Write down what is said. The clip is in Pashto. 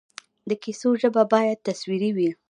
د کیسو ژبه باید تصویري وي.